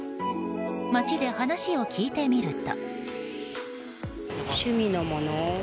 街で話を聞いてみると。